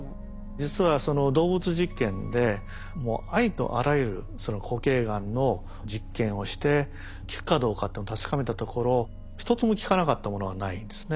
実は動物実験でもうありとあらゆる固形がんの実験をして効くかどうかっていうのを確かめたところ一つも効かなかったものはないんですね。